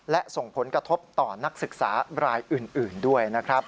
และส่งผลกระทบต่อนักศึกษารายอื่นด้วยนะครับ